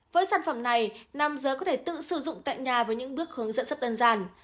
với sản phẩm này nam giới có thể tự sử dụng tại nhà với những bước hướng dẫn rất đơn giản